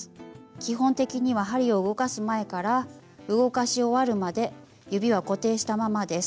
基本的には針を動かす前から動かし終わるまで指は固定したままです。